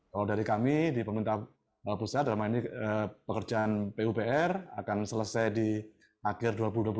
kalau dari kami di pemerintah pusat dalam hal ini pekerjaan pupr akan selesai di akhir dua ribu dua puluh dua